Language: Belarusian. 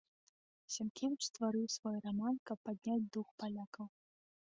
Сянкевіч стварыў свой раман, каб падняць дух палякаў.